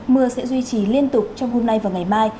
mưa sẽ duy trì liên tục trong hôm nay và ngày mai